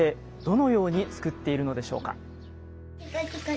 どのように作っているのでしょうか。